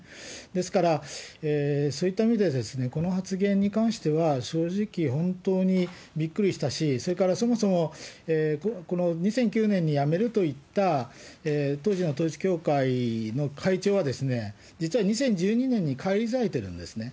ですから、そういった意味でこの発言に関しては、正直、本当にびっくりしたし、それからそもそも、この２００９年にやめると言った当時の統一教会の会長は、実は２０１２年に返り咲いてるんですね。